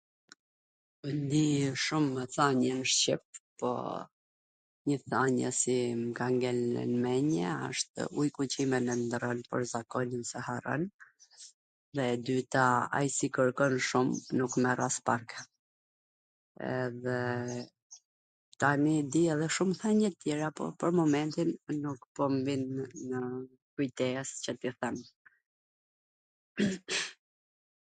Un di shumw thanie nw shqip, po njw thanie qi m ka ngel nw men-je ashtw Ujku qimen e ndwrron, por zakonin s e harron, dhe e dyta Ai qi kwrkon shum, nuk merr aspak, edhe tani un di edhe shum thanie tjera, po pwr momentin nuk mw vijn nw kujtes qw t i them.